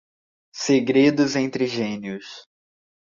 Segredos entre gênios